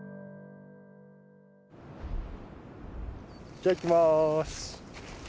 じゃあ行きます。